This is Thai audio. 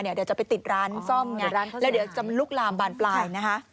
เดี๋ยวจะไปติดร้านซ่อมไงแล้วเดี๋ยวจะลุกลามบานปลายนะคะ